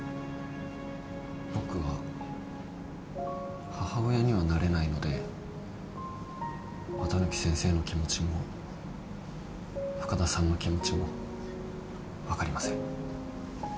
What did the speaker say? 僕は母親にはなれないので綿貫先生の気持ちも深田さんの気持ちも分かりません。